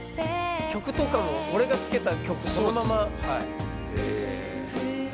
曲とかも俺がつけた曲そのまま。